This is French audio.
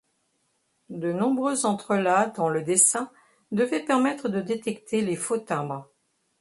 De nombreux entrelacs dans le dessin devaient permettre de détecter les faux timbres.